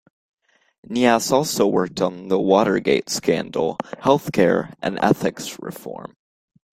Neas also worked on the Watergate scandal, health care, and ethics reform.